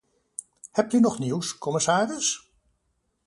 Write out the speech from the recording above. Hebt u nog nieuws, commissaris?